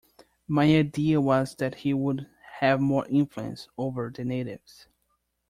My idea was that he would have more influence over the natives.